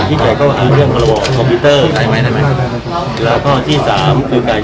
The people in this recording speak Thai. พี่แจงในประเด็นที่เกี่ยวข้องกับความผิดที่ถูกเกาหา